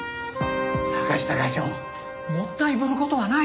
坂下課長もったいぶる事はない。